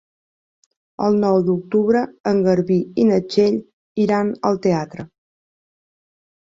El nou d'octubre en Garbí i na Txell iran al teatre.